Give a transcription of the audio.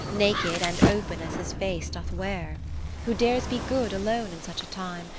Naked and open as his face doth wear ; Who dares be good alone in such a time.